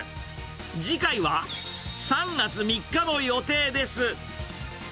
次回は、３月３日の予定です。